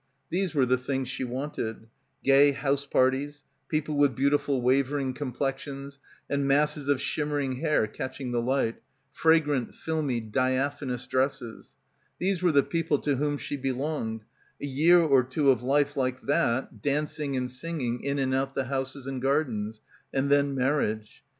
These were the things she wanted; — l8l — PILGRIMAGE gay house parties, people with beautiful wavering complexions and masses of shimmering hair catching the light, fragrant filmy diaphanous dresses; these were the people to whom she be longed — a year or two of life like that, dancing and singing in and out the houses and gardens; and then marriage.